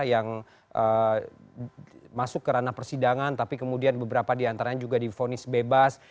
yang masuk ke ranah persidangan tapi kemudian beberapa di antaranya juga di vonis bebas